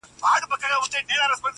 جالبه دا ده یار چي مخامخ جنجال ته ګورم,